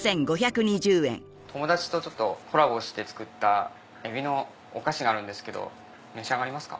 友達とコラボして作ったエビのお菓子があるんですけど召し上がりますか？